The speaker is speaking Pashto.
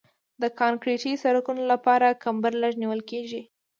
د کانکریټي سرکونو لپاره کمبر لږ نیول کیږي